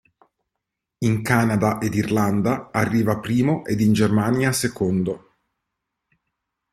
In Canada ed Irlanda arriva primo ed in Germania secondo.